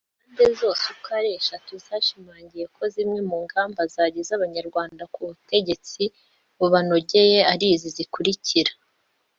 Impande zose uko ari eshatu zashimangiye ko zimwe mu ngamba zageza abanyarwanda ku butegetsi bubanogeye ari izi zikurikira